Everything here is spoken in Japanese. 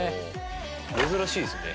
珍しいですね。